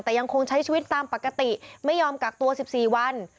แต่ยังคงใช้ชีวิตตามปกติไม่ยอมกักตัว๑๔วัน